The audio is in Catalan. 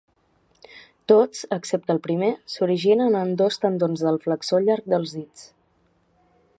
Tots, excepte el primer, s'originen en dos tendons del flexor llarg dels dits.